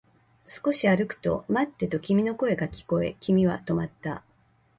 少し歩くと、待ってと君の声が聞こえ、君は止まった